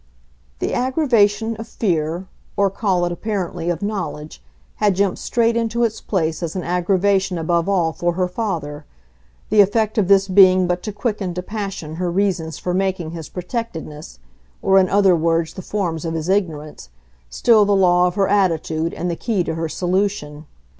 The aggravation of fear or call it, apparently, of knowledge had jumped straight into its place as an aggravation above all for her father; the effect of this being but to quicken to passion her reasons for making his protectedness, or in other words the forms of his ignorance, still the law of her attitude and the key to her solution.